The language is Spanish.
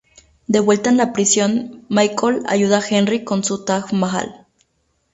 De vuelta en la prisión, Michael ayuda a Henry con su Taj Mahal.